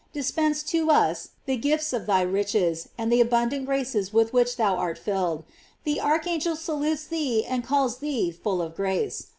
Dispense to us the gifts of thy riches, and the abundant graces with which thou art filled. The archangel salutes thee and calls thee full of grace.